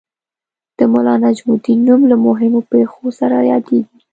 د ملا نجم الدین نوم له مهمو پېښو سره یادیږي.